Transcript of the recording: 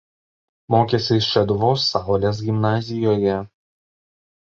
Mokėsi Šeduvos „Saulės“ gimnazijoje.